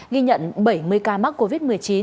ghi nhận bảy mươi ca mắc covid một mươi chín